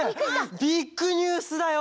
ビッグニュースだよ！